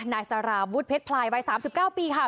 นายสาราพุทพลายวัย๓๙ปีค่ะ